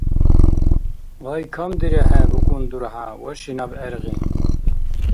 Гъай камдирехӀе, букӀун дурхӀя, ваши наб гӀергъи.